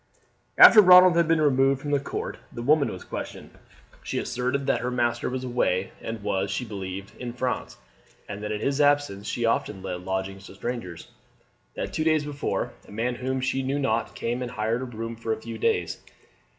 After Ronald had been removed from the court the woman was questioned. She asserted that her master was away, and was, she believed, in France, and that in his absence she often let lodgings to strangers. That two days before, a man whom she knew not came and hired a room for a few days.